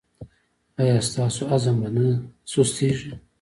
ایا ستاسو عزم به نه سستیږي؟